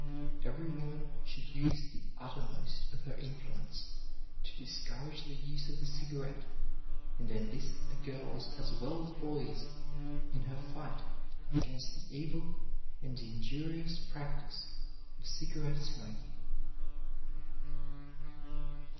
Every woman should use the uttermost of her influence to discourage the use of the cigarette and enlist the girls as well as boys in her fight against the evil and injurious practise of cigarette smoking.